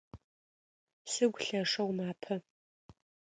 Сыгу лъэшэу мапэ.